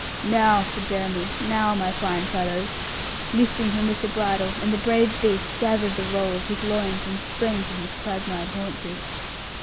'Now,' said Jeremy, 'now, my fine fellow!' lifting him with the bridle, and the brave beast gathered the roll of his loins, and sprang from his quagmired haunches.